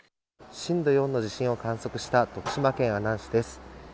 震度４の地震を観測した徳島県阿南市です。